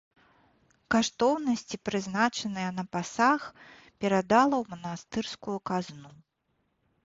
Каштоўнасці, прызначаныя на пасаг, перадала ў манастырскую казну.